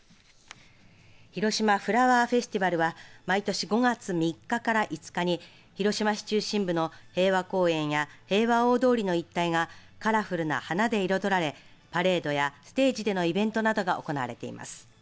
ひろしまフラワーフェスティバルは毎年、５月３日から５日に広島市中心部の平和公園や平和大通りの一帯がカラフルな花で彩られパレードやステージでのイベントなどが行われています。